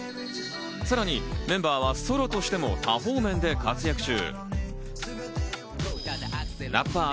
さらにメンバーはソロとしても多方面で活躍中。